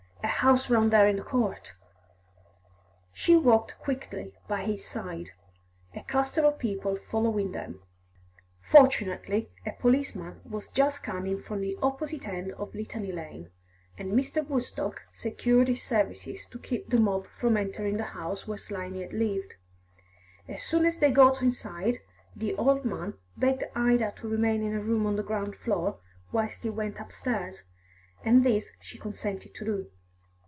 "A house round there in the court." She walked quickly by his side, a cluster of people following them. Fortunately, a policeman was just coming from the opposite end of Litany Lane, and Mr. Woodstock secured his services to keep the mob from entering the house where Slimy had lived. As soon as they got inside, the old man begged Ida to remain in a room on the ground floor whilst he went upstairs, and this she consented to do.